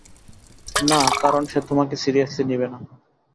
না, কারণ সে তোমাকে সিরিয়াসলি নিবে না।